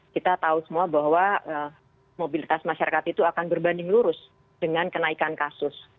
kita tahu semua bahwa mobilitas masyarakat itu akan berbanding lurus dengan kenaikan kasus